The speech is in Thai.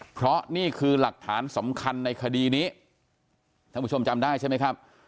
เพราะนี่คือหลักฐานสำคัญในคดีนี้ท่านผู้ชมจำได้ใช่ไหมครับ